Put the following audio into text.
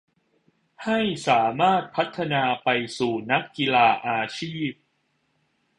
ให้สามารถพัฒนาไปสู่นักกีฬาอาชีพ